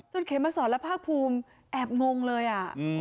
เขมมาสอนและภาคภูมิแอบงงเลยอ่ะ